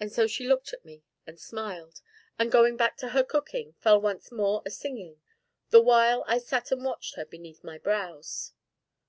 And so she looked at me and smiled, and, going back to her cooking, fell once more a singing, the while I sat and watched her beneath my brows.